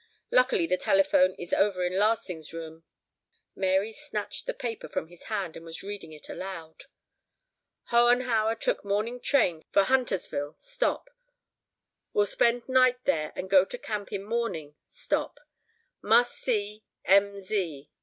Luckily the telephone is over in Larsing's room " Mary had snatched the paper from his hand and was reading it aloud. "Hohenhauer took morning train for Huntersville stop will spend night there and go to camp in morning stop must see M. Z.